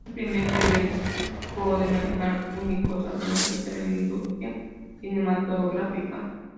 Fue el primer periódico de manejar únicos argumentos de la industria cinematográfica.